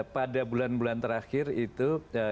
pada bulan bulan terakhir itu